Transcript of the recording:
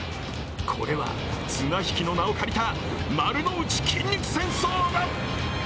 これは綱引きの名を借りた丸の内筋肉戦争だ。